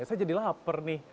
saya jadi lapar nih